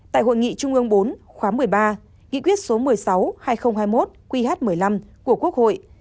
tại hội nghị trung ương bốn khóa một mươi ba nghị quyết số một mươi sáu hai nghìn hai mươi một qh một mươi năm của quốc hội